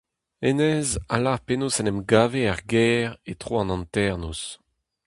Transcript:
Hennezh a lar penaos en em gave er gêr, e tro an hanternoz.